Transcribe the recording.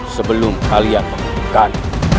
sebelum kalian menghentikan